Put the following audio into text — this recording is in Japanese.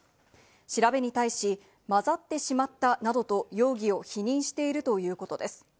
調べに対し、混ざってしまったなどと容疑を否認しているということです。